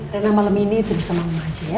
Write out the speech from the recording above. rena malem ini tidur sama oma aja ya